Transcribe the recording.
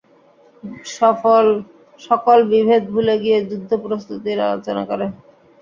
সকল বিভেদ ভুলে গিয়ে যুদ্ধ প্রস্তুতির আলোচনা করে।